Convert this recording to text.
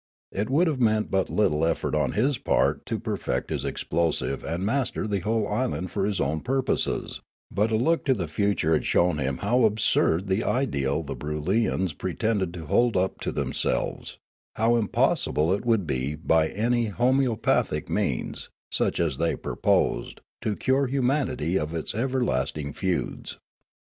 It would have meant but little effort on his part to perfect his explosive and master the whole island for his own purposes; but a look into 3/8 Riallaro the future had shown him how absurd was the ideal the Broolyiaus pretended to hold up to themselves, how impossible it would be by any homoeopathic means, such as they proposed, to cure humanity of its ever lasting feuds.